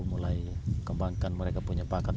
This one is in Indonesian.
mulai kembangkan mereka punya paket